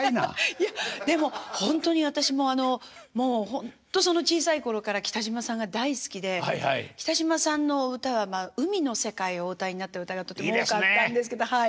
いやでもほんとに私もあのもうほんと小さい頃から北島さんが大好きで北島さんの歌は海の世界をお歌いになってる歌がとても多かったんですけどはい。